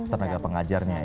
tenaga pengajarnya ya